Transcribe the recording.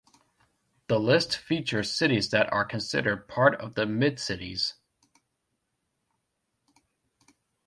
The list features cities that are considered part of the Mid-Cities.